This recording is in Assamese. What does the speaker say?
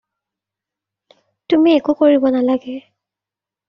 তুমি একো কৰিব নালাগে।